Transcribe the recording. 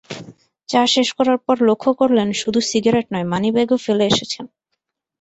চা শেষ করবার পর লক্ষ করলেন, শুধু সিগারেট নয়, মানিব্যাগও ফেলে এসেছেন।